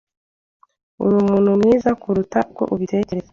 Urumuntu mwiza kuruta uko ubitekereza.